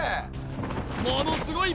ものすごい